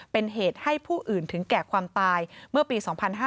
เป็นเหตุให้ผู้อื่นถึงแก่ความตายเมื่อปี๒๕๕๙